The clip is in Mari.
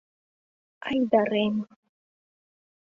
Айдарем!